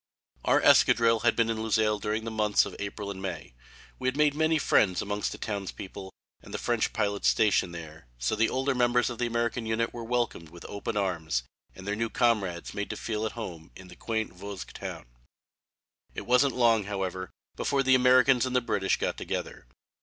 Our escadrille had been in Luxeuil during the months of April and May. We had made many friends amongst the townspeople and the French pilots stationed there, so the older members of the American unit were welcomed with open arms and their new comrades made to feel at home in the quaint Vosges town. It wasn't long, however, before the Americans and the British got together.